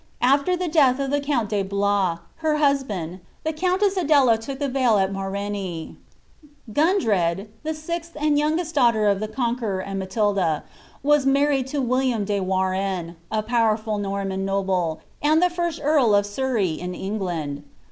After Ihe death of Ihe count de Blois, her husband, tlie countew Adela look ihe veil al Mareigiiey.' Gundrcd, the sixili and youngest daughter of the Conqueror and Ma tilda, was married to William de Warren, a powprfid Norman noble,«ad the Ursi earl of Surrey in England.